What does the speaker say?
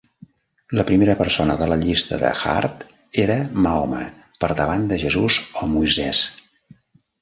La primera persona de la llista de Hart era Mahoma, per davant de Jesús o Moisès.